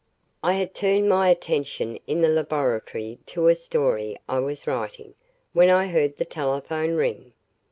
I had turned my attention in the laboratory to a story I was writing, when I heard the telephone ring.